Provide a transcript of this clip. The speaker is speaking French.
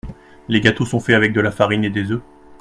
Les gâteaux sont faits avec de la farine et des œufs.